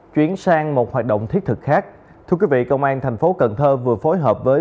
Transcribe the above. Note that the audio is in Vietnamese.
chuyển sang một hoạt động thiết thực khác thưa quý vị công an thành phố cần thơ vừa phối hợp với